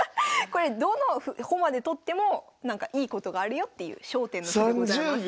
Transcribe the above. これどの駒で取ってもなんかいいことがあるよっていう焦点の歩でございます。